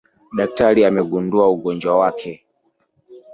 Daktari amegundua ugonjwa wake